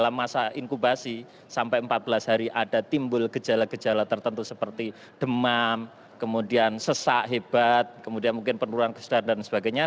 dalam masa inkubasi sampai empat belas hari ada timbul gejala gejala tertentu seperti demam kemudian sesak hebat kemudian mungkin penurunan kesedar dan sebagainya